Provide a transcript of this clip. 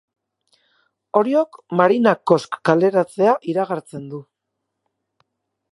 Oriok Marina Cosc kaleratzea iragartzen du